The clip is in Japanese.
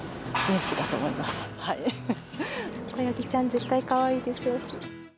子ヤギちゃん、絶対かわいいでしょうし。